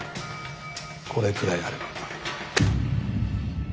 これくらいあれば。